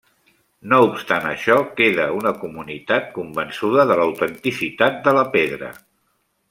No obstant això, queda una comunitat convençuda de l'autenticitat de la pedra.